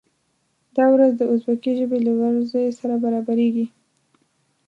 دا ورځ د ازبکي ژبې له ورځې سره برابریږي.